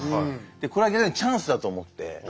でこれは逆にチャンスだと思って。